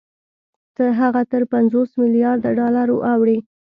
هغه تر پنځوس مليارده ډالرو اوړي